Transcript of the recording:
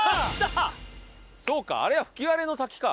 そうかあれは吹割の滝か。